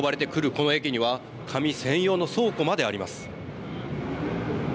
この駅には紙専用の倉庫まで備えられています。